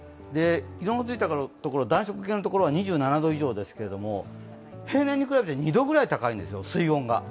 色のついたところ、暖色系のところは２７度以上ですけれども、平年に比べて２度くらい水温が高いんですよ。